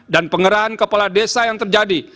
dan penggerahan kepala desa yang terjadi